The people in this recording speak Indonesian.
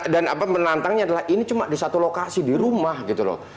dan menantangnya adalah ini cuma di satu lokasi di rumah gitu loh